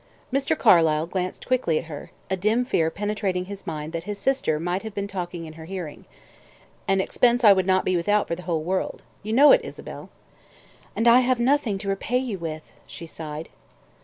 Mr. Carlyle glanced quickly at her, a dim fear penetrating his mind that his sister might have been talking in her hearing. "An expense I would not be without for the whole world. You know it, Isabel." "And I have nothing to repay you with," she sighed.